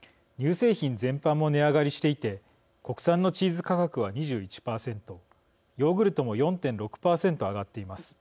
乳製品全般も値上がりしていて国産のチーズ価格は２１％ヨーグルトも４．６％上がっています。